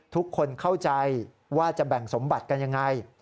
ทุกคนเข้าใจว่าจะแบ่งสมบัติกันยังไง